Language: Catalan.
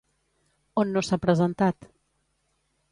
On no s'ha presentat?